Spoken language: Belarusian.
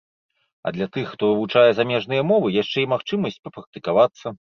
А для тых, хто вывучае замежныя мовы, яшчэ і магчымасць папрактыкавацца.